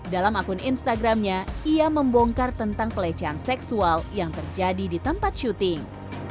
dalam akun instagramnya ia membongkar tentang pelecehan seksual yang terjadi di tempat syuting